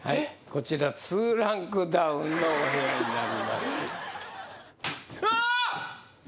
こちら２ランクダウンのお部屋になりますうわー！